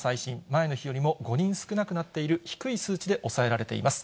前の日よりも５人少なくなっている、低い数値で抑えられています。